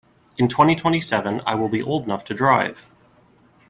In twenty-twenty-seven I will old enough to drive.